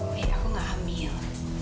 wi aku gak hamil